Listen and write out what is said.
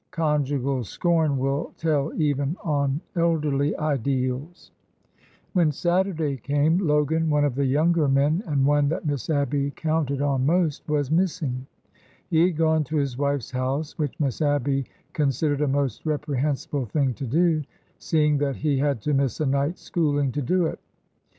" Conjugal scorn will tell even on el derly ideals. When Saturday came, Logan, one of the younger men, and one that Miss Abby counted on most, was missing. He had gone to his wife's house, which Miss Abby con sidered a most reprehensible thing to do, seeing that he had to miss a night's schooling to do it.